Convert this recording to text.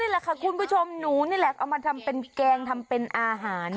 แหละค่ะคุณผู้ชมหนูนี่แหละเอามาทำเป็นแกงทำเป็นอาหาร